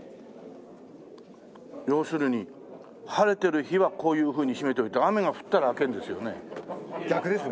要するに晴れてる日はこういうふうに閉めといて雨が降ったら開けるんですよね。